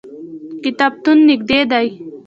کتابتون نږدې دی